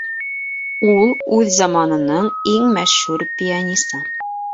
Ул үҙ заманының иң мәшһүр пианисы